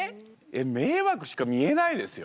迷惑しか見えないですよ。